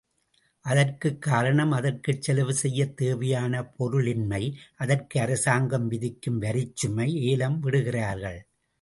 அதற்குக் காரணம் அதற்குச் செலவு செய்யத் தேவையான பொருள் இன்மை அதற்கு அரசாங்கம் விதிக்கும் வரிச்சுமை, ஏலம் விடுகிறார்கள்.